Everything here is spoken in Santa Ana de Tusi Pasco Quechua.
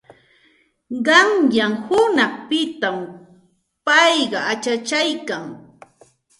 Qayna hunanpitam payqa achachaykan.